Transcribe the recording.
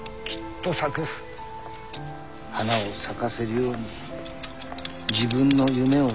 花を咲かせるように自分の夢を育ててほしい。